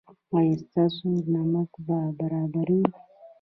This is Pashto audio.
ایا ستاسو نمک به برابر وي؟